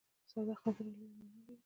ساده خبره لویه معنا لري.